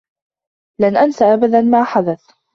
لن أنس أبدا ما حدث.